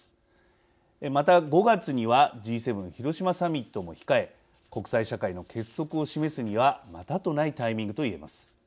また５月にはＧ７広島サミットも控え国際社会の結束を示すにはまたとないタイミングと言えます。